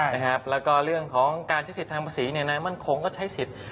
แล้วก็เรื่องของการใช้สิทธิ์ทางภาษีนายมั่นคงก็ใช้สิทธิ์